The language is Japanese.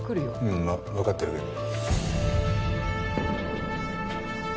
うんわかってるけど。